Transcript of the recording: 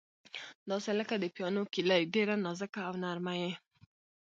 داسې لکه د پیانو کیلۍ، ډېره نازکه او نرمه یې.